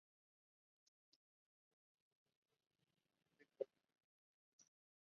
How the phoenix buttons got to California is still undocumented.